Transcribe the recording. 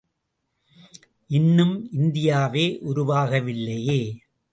இன்னும் இந்தியாவே உருவாக வில்லையே!